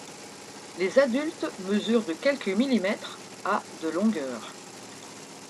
Les adultes mesurent de quelques millimètres à de longueur.